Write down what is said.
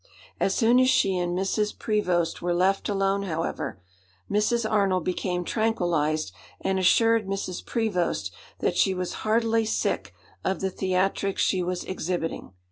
As soon as she and Mrs. Prevost were left alone, however, Mrs. Arnold became tranquillized, and assured Mrs. Prevost that she was heartily sick of the theatrics she was exhibiting.